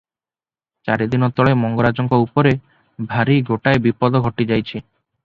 ଚାରିଦିନ ତଳେ ମଙ୍ଗରାଜଙ୍କ ଉପରେ ଭାରି ଗୋଟାଏ ବିପଦ ଘଟିଯାଇଛି ।